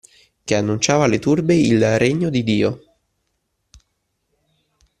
Che annunciava alle turbe il regno di Dio